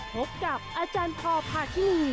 พบกับอาจารย์พอพาคินี